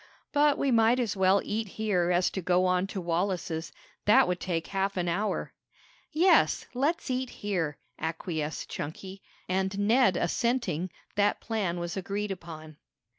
"But we might as well eat here as to go on to Wallace's. That would take half an hour." "Yes, let's eat here," acquiesced Chunky, and Ned assenting, that plan was agreed upon. "Mr.